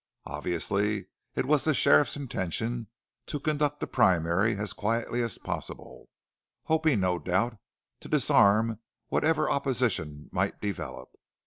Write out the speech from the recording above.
Obviously, it was the sheriff's intention to conduct the primary as quietly as possible, hoping no doubt to disarm whatever opposition might develop.